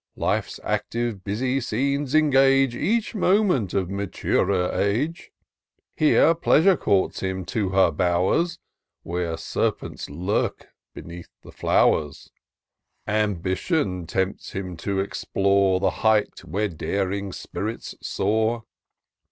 Life's active busy scenes engage Each moment of maturer age : Here Pleasure courts him to her bow'rs. Where serpents lurk beneath the flow'rs : Ambition tempts him to explore The height where daring spirits soar.